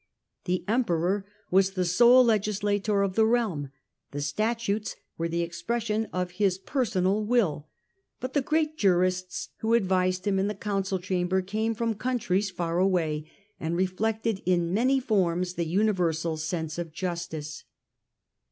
The Emperor was the sole legislator of the realm ; the statutes were the expression of his personal will ; but the great jurists who advised him in the council chamber came from countries far away, and reflected in many various forms the universal sense of justice.